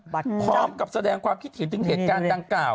พร้อมกับแสดงความคิดเห็นถึงเหตุการณ์ดังกล่าว